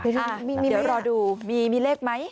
เดี๋ยวรอดูมีเลขไหม